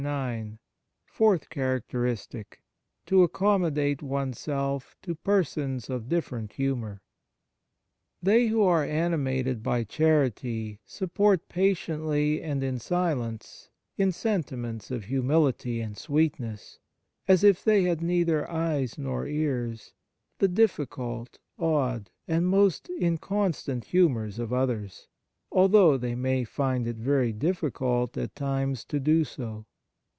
20 IX FOURTH CHARACTERISTIC To accommodate oneself to persons of different humour THEY who are animated by charity support patiently and in silence, in sentiments of humility and sweetness, as if they had neither eyes nor ears, the difficult, odd, and most inconstant humours of others, although they may find it very difficult at times to do so.